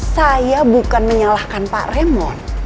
saya bukan menyalahkan pak remo